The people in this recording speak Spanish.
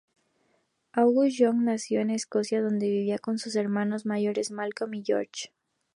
Angus Young nació en Escocia, donde vivía con sus hermanos mayores Malcolm y George.